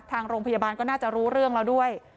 ทางโรงพยาบาลก็น่าจะรู้เรื่องแล้วด้วย